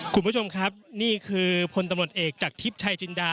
คุณผู้ชมครับนี่คือพลตำรวจเอกจากทิพย์ชายจินดา